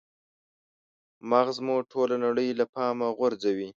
مغز مو ټوله نړۍ له پامه غورځوي.